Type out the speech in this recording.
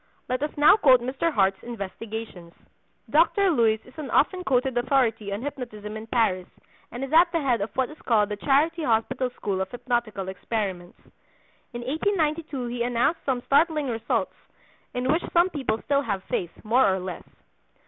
Let us now quote Mr. Hart's investigations. Dr. Luys is an often quoted authority on hypnotism in Paris, and is at the head of what is called the Charity Hospital school of hypnotical experiments. In 1892 he announced some startling results, in which some people still have faith (more or less).